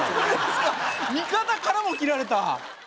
味方からも切られた